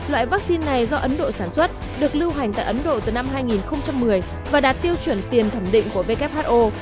loại vaccine này do ấn độ sản xuất được lưu hành tại ấn độ từ năm hai nghìn một mươi và đạt tiêu chuẩn tiền thẩm định của who